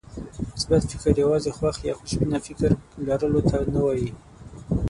مثبت فکر يوازې خوښ يا خوشبينه فکر لرلو ته نه وایي.